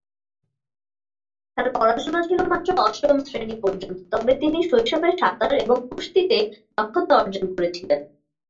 তাঁর পড়াশোনা ছিল মাত্র অষ্টম শ্রেণি পর্যন্ত, তবে তিনি শৈশবে সাঁতার এবং কুস্তিতে দক্ষতা অর্জন করেছিলেন।